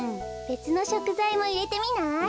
べつのしょくざいもいれてみない？